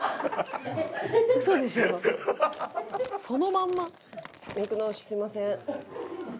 そのまんま。